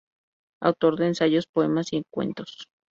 Autor de ensayos, poemas y cuentos.